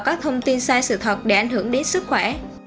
các thông tin sai sự thật để ảnh hưởng đến sức khỏe